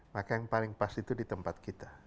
maka yang paling pas itu di tempat kita